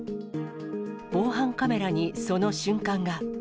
防犯カメラにその瞬間が。